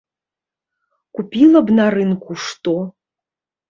Купіла б на рынку што.